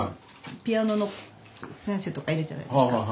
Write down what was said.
ピアノの先生とかいるじゃないですか？